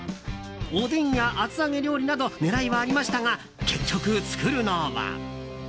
おでんや厚揚げ料理など狙いはありましたが結局、作るのは。